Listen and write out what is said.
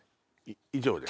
以上です。